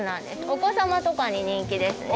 お子様とかに人気ですね。